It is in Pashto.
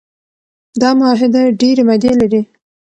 دا معاهده ډیري مادې لري.